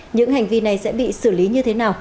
những hành vi này sẽ bị xử lý như thế nào